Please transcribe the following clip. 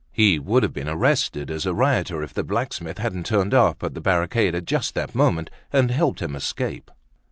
He would have been arrested as a rioter if the blacksmith hadn't turned up at the barricade at just that moment and helped him escape.